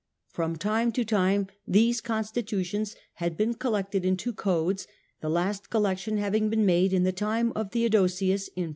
From time to time these constitutions had been collected into codes, the last collection having been made in the time of Theodosius [438).